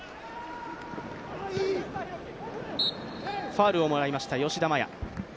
ファウルをもらいました、吉田麻也